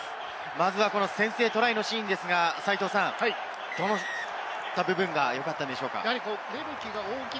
まずは先制トライのシーンですが、どういった部分が良かったんでしょうか？